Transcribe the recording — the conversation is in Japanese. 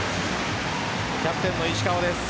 キャプテンの石川です。